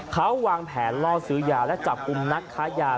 เขาวางแผนล่อซื้อยาและจับกลุ่มนักค้ายา